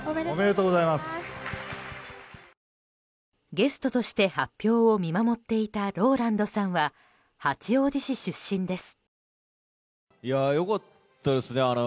ゲストとして発表を見守っていたＲＯＬＡＮＤさんは八王子出身です。